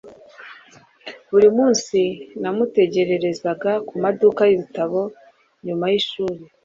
Buri munsi namutegerezaga kumaduka yibitabo nyuma yishuri.